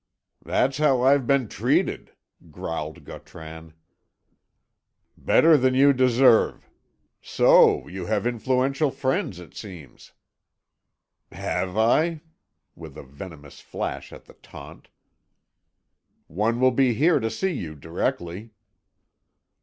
"That's how I've been treated," growled Gautran. "Better than you deserve. So, you have influential friends, it seems." "Have I?" with a venomous flash at the taunt. "One will be here to see you directly."